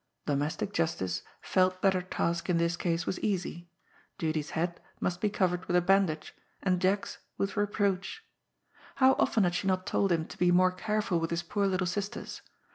Do mestic Justice felt that her task in this case was easy. Judy's head must be covered with a bandage and Jack's with reproach. How often had she not told him to be more careful with his poor little sisters!